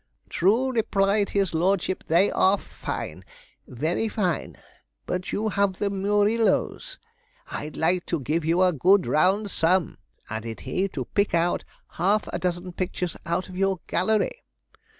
"True," replied his lordship, "they are fine very fine; but you have the Murillos. I'd like to give you a good round sum," added he, "to pick out half a dozen pictures out of your gallery."